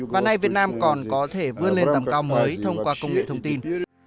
và nay việt nam còn có thể vươn lên tầm cao mới thông qua công nghệ thông tin